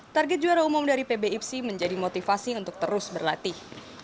target juara umum dari pb ipc menjadi motivasi untuk terus berlatih